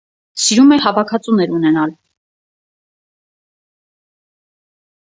. Սիրում է հավաքածուներ ունենալ։